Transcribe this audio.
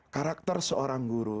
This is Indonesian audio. karakter seorang guru